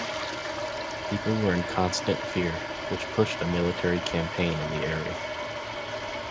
People were in constant fear which pushed a military campaign in the area.